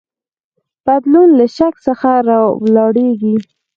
بدلون له شک څخه راولاړیږي.